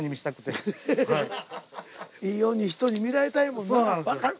いいように人に見られたいもんな。